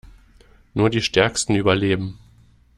Nur die Stärksten überleben.